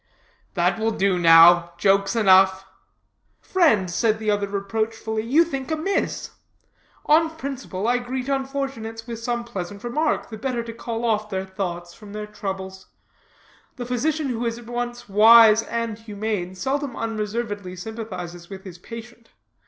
"That will do now. Jokes enough." "Friend," said the other reproachfully, "you think amiss. On principle, I greet unfortunates with some pleasant remark, the better to call off their thoughts from their troubles. The physician who is at once wise and humane seldom unreservedly sympathizes with his patient.